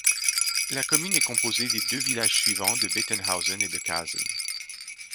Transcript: La commune est composée des deux villages suivants de Bethenhausen et Caasen.